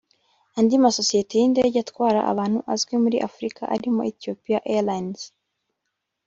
Andi masosiyete y’indege atwara abantu azwi muri Afrika arimo Ethiopia Airlines